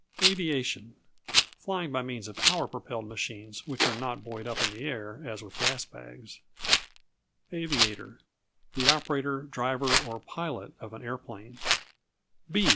Aviation Flying by means of power propelled machines which are not buoyed up in the air, as with gas bags. Aviator The operator, driver, or pilot of an aeroplane.